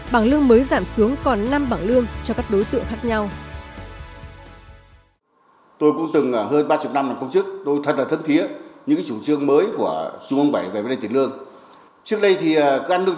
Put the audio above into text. bảng lương mới giảm xuống còn năm bảng lương cho các đối tượng khác nhau